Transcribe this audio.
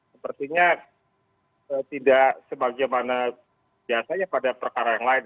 sepertinya tidak sebagaimana biasanya pada perkara yang lain